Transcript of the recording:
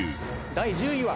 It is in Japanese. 第１０位は。